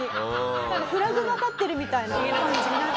なんかフラグが立ってるみたいな感じ。